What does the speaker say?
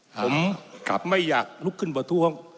ผมไม่อยากลุกขึ้นบทุกห้อง